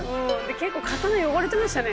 結構刀汚れてましたね。